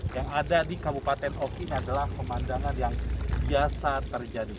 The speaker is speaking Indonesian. yang ada di kabupaten oking adalah pemandangan yang biasa terjadi